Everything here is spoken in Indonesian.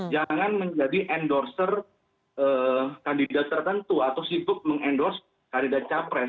jangan menjadi endorser kandidat tertentu atau sibuk mengendorse kandidat capres